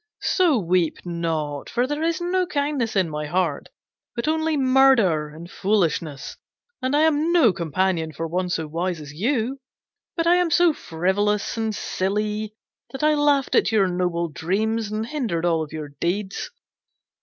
'So weep not, for there is no kindness in my heart, but only murder and foolishness, and I am no companion for one so wise as you, but am so frivolous and silly that I laughed at your noble dreams and hindered all your deeds.